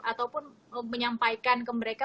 ataupun menyampaikan ke mereka